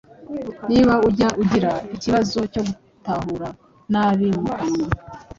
Niba ujya ugira ikibazo cyo guhumura nabi mu kanwa,